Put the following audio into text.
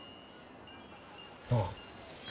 ああ。